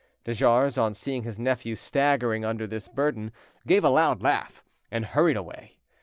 De Jars, on seeing his nephew staggering under this burden, gave a loud laugh, and hurried away.